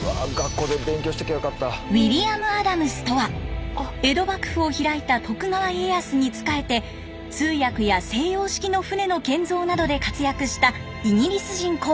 ウィリアム・アダムスとは江戸幕府を開いた徳川家康に仕えて通訳や西洋式の船の建造などで活躍したイギリス人航海士。